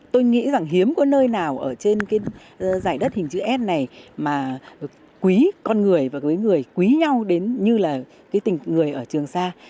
tôi nghĩ rằng hiếm có nơi nào ở trên cái giải đất hình chữ s này mà quý con người và với người quý nhau đến như là cái tình người ở trường sa